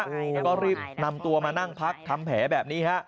แล้วก็รีบนำตัวมานั่งพักทำแผลแบบนี้ฮะ